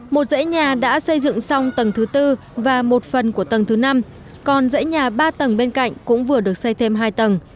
một dãy nhà đã xây dựng xong tầng thứ tư và một phần của tầng thứ năm còn dãy nhà ba tầng bên cạnh cũng vừa được xây thêm hai tầng